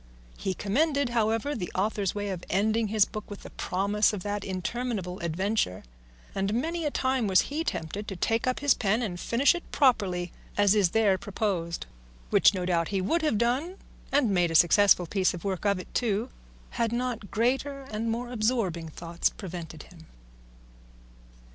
He commended, however, the author's way of ending his book with the promise of that interminable adventure, and many a time was he tempted to take up his pen and finish it properly as is there proposed, which no doubt he would have done, and made a successful piece of work of it too, had not greater and more absorbing thoughts prevented him.